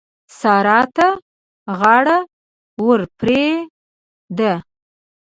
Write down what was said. سارا ته غاړه ورپورې ده.